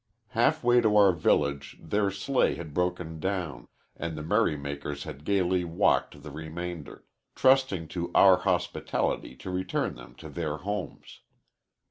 Half way to our village their sleigh had broken down, and the merry makers had gayly walked the remainder, trusting to our hospitality to return them to their homes.